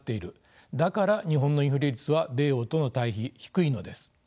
だから日本のインフレ率は米欧との対比低いのです。